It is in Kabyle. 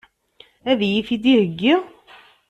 Ad iyi-t-id-iheggi?